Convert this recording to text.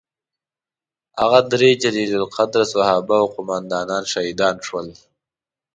هغه درې جلیل القدره صحابه او قوماندانان شهیدان شول.